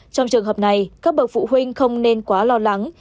trong trường hợp này các bậc phụ huynh không nên quá lo lắng